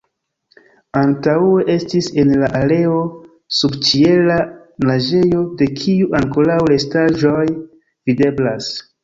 Antaŭe estis en la areo subĉiela naĝejo, de kiu ankoraŭ restaĵoj videblas.